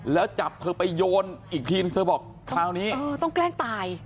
แล้วจับเธอไปโยนอีกทีเธอบอกคราวนี้เออต้องแกล้งตาย